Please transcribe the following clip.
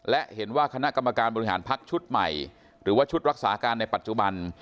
และเห็นว่าคณะกรรมการบริหารพักชุดใหม่หรือว่าชุดรักษาการในปัจจุบัน